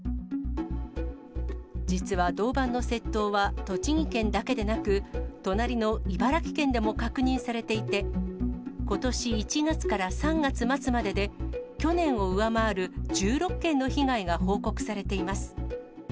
実は、銅板の窃盗は栃木県だけでなく、隣の茨城県でも確認されていて、ことし１月から３月末までで、去年を上回る１６件の被害が報告されています。